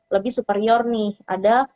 lebih superior nih ada